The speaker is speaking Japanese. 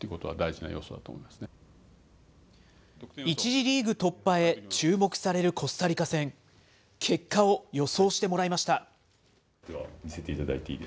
１次リーグ突破へ注目されるコスタリカ戦、結果を予想してもらいました。